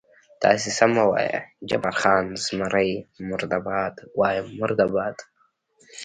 تاسې سمه وایئ، جبار خان: زمري مرده باد، وایم مرده باد.